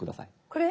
これ？